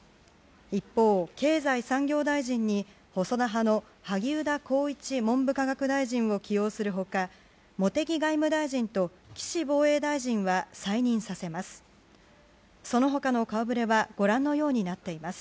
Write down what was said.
一方、経済産業大臣に細田派の萩生田光一文部科学大臣を起用する他茂木外務大臣と岸防衛大臣は再任させます。